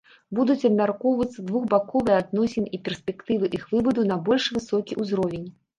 Будуць абмяркоўвацца двухбаковыя адносіны і перспектывы іх вываду на больш высокі ўзровень.